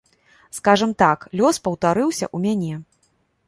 Скажам так, лёс паўтарыўся ў мяне.